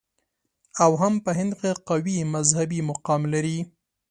او هم په هند کې قوي مذهبي مقام لري.